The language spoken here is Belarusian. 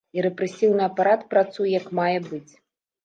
І рэпрэсіўны апарат працуе як мае быць.